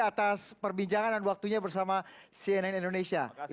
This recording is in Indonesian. atas perbincangan dan waktunya bersama cnn indonesia